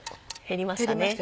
減りましたよね。